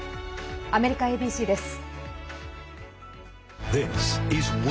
アメリカＡＢＣです。